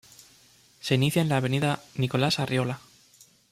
Se inicia en la avenida Nicolás Arriola.